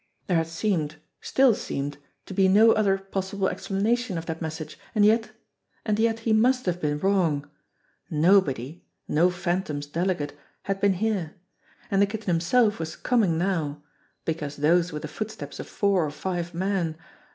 There had seemed, still seemed, to be no other possible ex planation of that message, and yet and yet he must have been wrong. Nobody no Phantom's delegate had been here. And the Kitten himself was coming now because those were the footsteps of four or five men.